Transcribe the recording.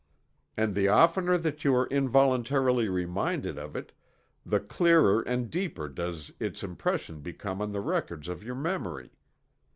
And the oftener that you are involuntarily "reminded" of it, the clearer and deeper does its impression become on the records of your memory.